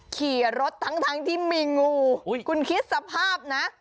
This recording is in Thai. ขี่รถทั้งที่มีงูคุณคิดสภาพนะ